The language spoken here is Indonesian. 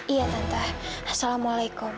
iya tante assalamualaikum